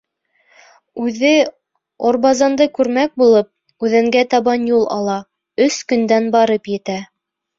Үҙе, Орбазанды күрмәк булып, үҙәнгә табан юл ала, өс көндән барып етә.